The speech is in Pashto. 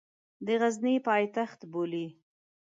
د غزني پایتخت بولي.